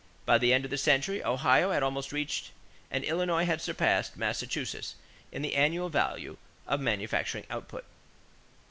By the end of the century, Ohio had almost reached and Illinois had surpassed Massachusetts in the annual value of manufacturing output.